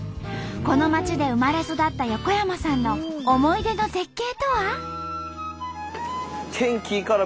この町で生まれ育った横山さんの思い出の絶景とは？